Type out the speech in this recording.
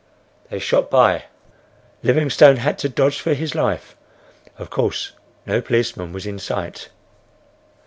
they shot by. Livingstone had to dodge for his life. Of course, no policeman was in sight!